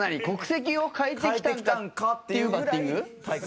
国籍を変えてきたんかっていうバッティング？